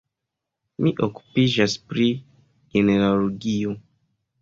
Mi okupiĝas pri genealogio.